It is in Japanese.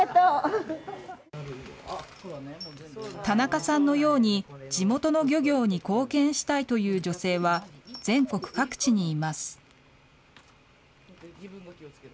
田中さんのように、地元の漁業に貢献したいという女性は、全国各地にいます。